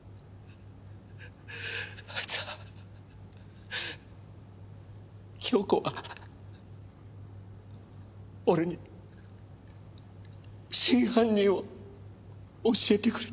あいつは杏子は俺に真犯人を教えてくれてた。